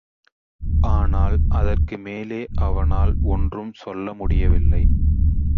ஆனால், அதற்கு மேலே அவனால் ஒன்றும் சொல்ல முடியவில்லை.